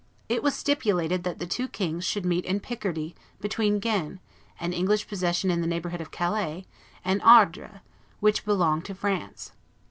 It was stipulated that the two kings should meet in Picardy between Guines, an English possession in the neighborhood of Calais, and Ardres, which belonged to France.